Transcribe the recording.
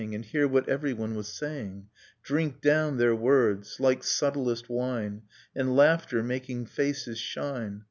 And hear what everyone was saying, — Drink down their words, Uke subtlest wine. And laughter, making faces shine!